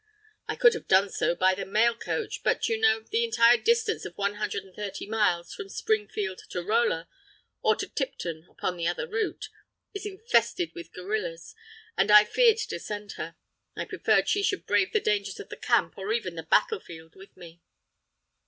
"I could have done so by the mail coach but, you know, the entire distance of one hundred and thirty miles, from Springfield to Rolla, or to Tipton upon the other route, is infested with guerrillas, and I feared to send her. I preferred she should brave the dangers of the camp or even the battle field with me."